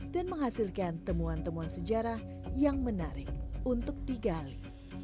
dan menghasilkan temuan temuan sejarah yang menarik untuk digali